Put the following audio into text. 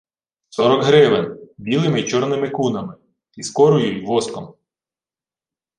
— Сорок гривен. Білими й чорними кунами. Й скорою, й воском.